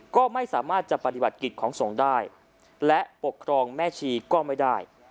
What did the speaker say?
ก็ไม่สามารถจะปฏิบัติกิจของสงฆ์ได้และปกครองแม่ชีก็ไม่ได้